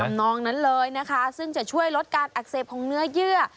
นองนั้นเลยนะคะซึ่งจะช่วยลดการอักเสบของเนื้อเยื่อ